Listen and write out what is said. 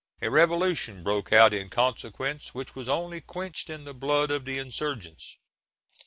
A revolution broke out in consequence, which was only quenched in the blood of the insurgents.